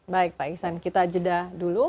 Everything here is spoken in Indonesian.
baik pak iksan kita jeda dulu